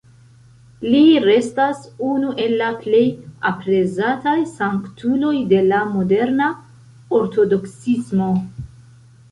Li restas unu el la plej aprezataj sanktuloj de la moderna Ortodoksismo.